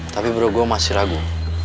tapi bro gua masih ragu